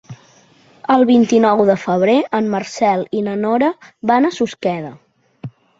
El vint-i-nou de febrer en Marcel i na Nora van a Susqueda.